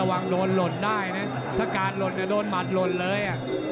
ระวังโดนโหล่นได้นะถ้าการโหล่นต่อโดนหมันโหล่นเลย